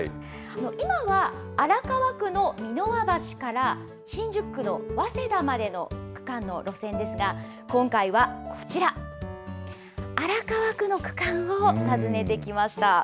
今は荒川区の三ノ輪橋から、新宿区の早稲田までの区間の路線ですが、今回はこちら、荒川区の区間を訪ねてきました。